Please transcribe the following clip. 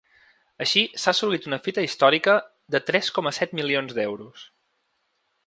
Així, s’ha assolit una ‘fita històrica’ de tres coma set milions d’euros.